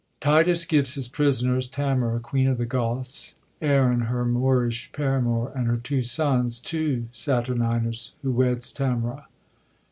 Titus gives his prisoners, Tamora, queen of the Goths, Aaron, her Moorish paramor, and her two sons, to Satuminus, who weds Tamora.